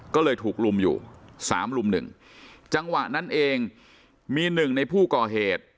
ก็เลยถูกลุมอยู่สามลุมหนึ่งจังหวะนั้นเองมีหนึ่งในผู้ก่อเหตุ